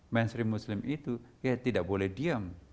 mainstream muslim itu ya tidak boleh diam